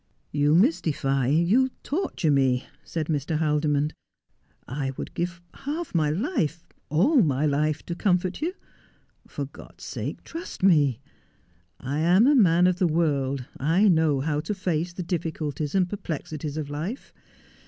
' You mistify, you torture me,' said Mr. Haldimond. ' I would give half my life — all my life to comfort you. For God's sake trust me. I am a man of the world ; 1 know how to face the difficulties and perplexities of life.